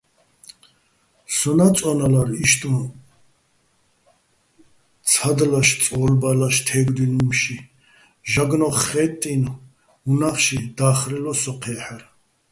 სონა́ წო́ნალარ იშტუჼ ცადლაშ-წო́ლბალაშ თე́გდუჲნი̆ უ̂მში, ჟაგნო́ხ ხა́ტტინო̆ უნა́ხში და́ხრელო სო ჴე́ჰ̦არ.